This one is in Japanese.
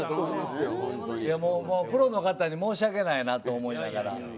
プロの方に申し訳ないなと思いながら。